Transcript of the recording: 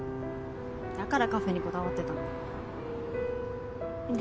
だからカフェにこだわってたんだ。